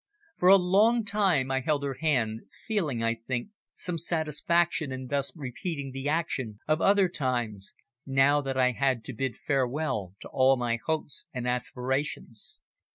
For a long time I held her hand, feeling, I think, some satisfaction in thus repeating the action of other times, now that I had to bid farewell to all my hopes and aspirations.